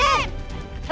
aku sudah dekat